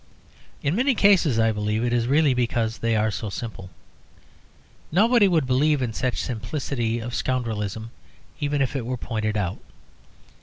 In many cases I believe it is really because they are so simple. Nobody would believe in such simplicity of scoundrelism even if it were pointed out.